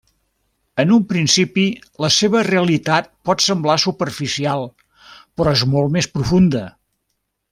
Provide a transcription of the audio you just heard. En un principi, la seva realitat pot semblar superficial, però és molt més profunda.